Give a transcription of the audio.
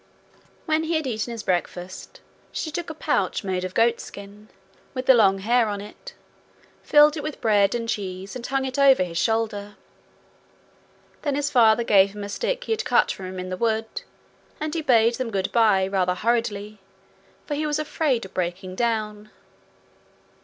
When he had eaten his breakfast, she took a pouch made of goatskin, with the long hair on it, filled it with bread and cheese, and hung it over his shoulder. Then his father gave him a stick he had cut for him in the wood, and he bade them good bye rather hurriedly, for he was afraid of breaking down.